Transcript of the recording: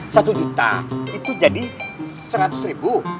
satu juta itu jadi seratus ribu